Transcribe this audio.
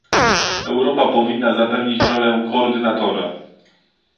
Europa powinna zapewnić rolę koordynatora